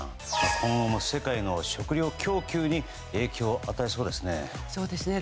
今後も世界の食料供給に影響を与えそうですね。